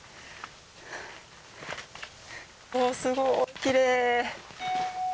おすごっきれい！